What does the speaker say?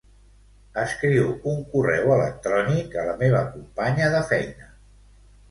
Escriu un correu electrònic a la meva companya de feina.